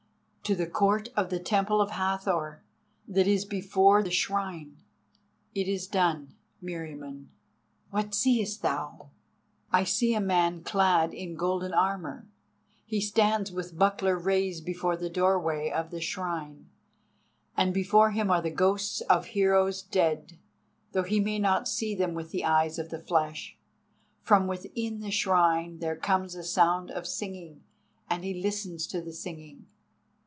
"To the court of the Temple of Hathor, that is before the shrine." "It is done, Meriamun." "What seest thou?" "I see a man clad in golden armour. He stands with buckler raised before the doorway of the shrine, and before him are the ghosts of heroes dead, though he may not see them with the eyes of the flesh. From within the shrine there comes a sound of singing, and he listens to the singing."